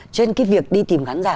cho nên cái việc đi tìm khán giả